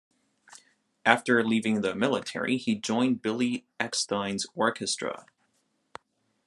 After leaving the military, he joined Billy Eckstine's orchestra.